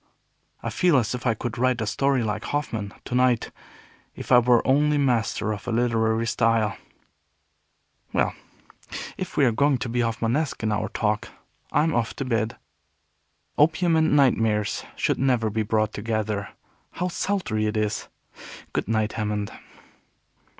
I feel as if I could write a story like Hoffman, to night, if I were only master of a literary style." "Well, if we are going to be Hoffmanesque in our talk, I'm off to bed. Opium and nightmares should never be brought together. How sultry it is! Good night, Hammond."